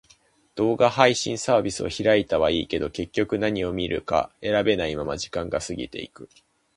動画配信サービスを開いたはいいけど、結局何を見るか選べないまま時間が過ぎていく。